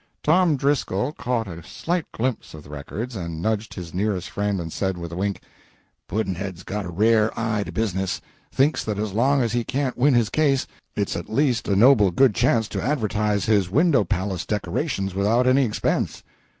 Tom Driscoll caught a slight glimpse of the records, and nudged his nearest friend and said, with a wink, "Pudd'nhead's got a rare eye to business thinks that as long as he can't win his case it's at least a noble good chance to advertise his palace window decorations without any expense."